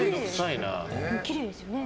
きれいですよね。